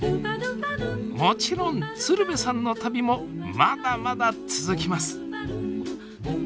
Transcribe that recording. もちろん鶴瓶さんの旅もまだまだ続きます